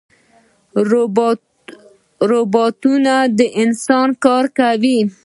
روبوټونه د انسان کار کوي